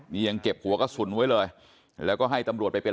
ยังเก็บขับกระสุนด้วยเลยแล้วก็ให้ถมรวจไปเป็น